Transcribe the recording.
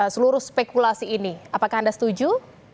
seluruh spekulasi ini apakah anda setuju